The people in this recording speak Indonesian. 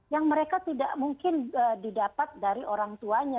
yang mereka tidak mungkin didapat dari orang tuanya